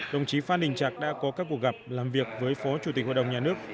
đồng chí phan đình trạc đã có các cuộc gặp làm việc với phó chủ tịch hội đồng nhà nước